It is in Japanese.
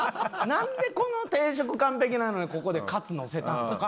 なんでこの定食完璧なのにここでカツのせたん？とか。